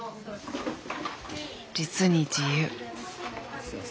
実に自由。